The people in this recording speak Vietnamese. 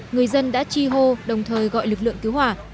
người dân đã chi hô đồng thời gọi lực lượng cứu hỏa